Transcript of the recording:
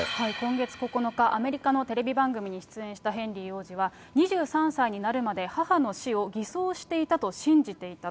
今月９日、アメリカのテレビ番組に出演したヘンリー王子は、２３歳になるまで母の死を偽装していたと信じていたと。